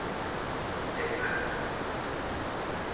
เจ๋งอะ